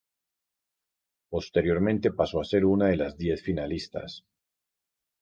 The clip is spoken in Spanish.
Posteriormente pasó a ser una de los diez finalistas.